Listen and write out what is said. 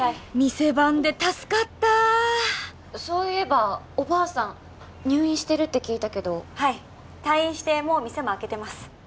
店番で助かったそういえばおばあさん入院してるって聞いたけどはい退院してもう店も開けてます